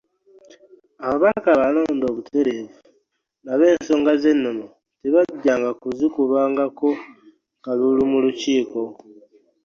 Ababaka abalonde obutereevu nabo ensonga z’ennono tebajjanga kuzikubangako kalulu mu Lukiiko.